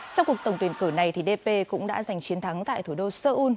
trong cuộc tổng tuyển cử này dp cũng đã giành chiến thắng tại thủ đô seoul